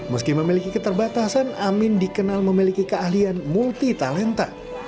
meski memiliki keterbatasan amin dikenal memiliki keahlian multi talenta